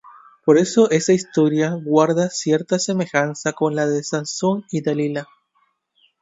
Por eso esta historia guarda cierta semejanza con la de Sansón y Dalila.